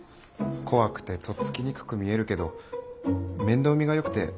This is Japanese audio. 怖くてとっつきにくく見えるけど面倒見がよくて懐が大きくて実は優しい。